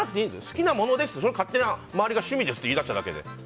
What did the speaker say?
好きなものですって周りが勝手に趣味ですって言い出しただけで。